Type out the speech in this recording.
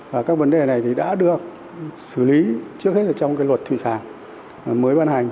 và các vấn đề này đã được xử lý trước hết trong luật thủy sản mới văn hành